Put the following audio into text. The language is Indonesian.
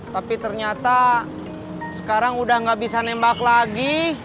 tapi ternyata sekarang udah gak bisa nembak lagi